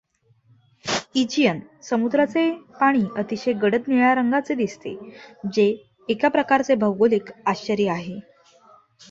Aegean समुद्राचे पाणी अतिशय गडद निळ्या रंगाचे दिसते, जे एका प्रकारचे भौगोलिक आश्चर्य आहे.